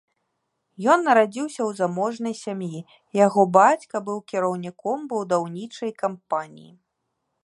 Ён нарадзіўся ў заможнай сям'і, яго бацька быў кіраўніком будаўнічай кампаніі.